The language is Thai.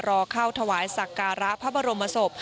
รอเข้าถวายสักการะพระบรมศพ